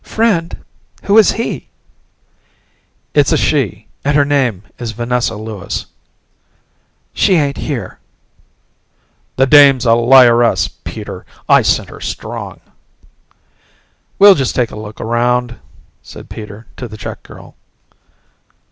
"Friend? Who is he?" "It's a she and her name is Vanessa Lewis." "She ain't here." "The dame's a liar ess, Peter. I scent her strong." "We'll just take a look around," said Peter to the check girl.